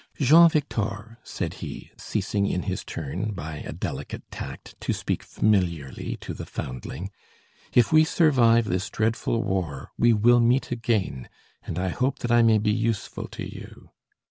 "Jean Victor," said he, ceasing in his turn, by a delicate tact, to speak familiarly to the foundling, "if we survive this dreadful war, we will meet again, and I hope that I may be useful to you.